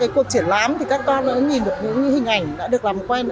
qua cuộc triển lãm các con nhìn được những hình ảnh đã được làm quen